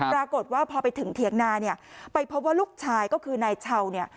ปรากฏว่าพอไปถึงเถียงนาเนี่ยไปพบว่าลูกชายก็คือนายเช่าเนี่ย